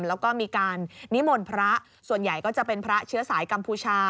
แล้วก็มีการนิมนต์พระส่วนใหญ่ก็จะเป็นพระเชื้อสายกัมพูชา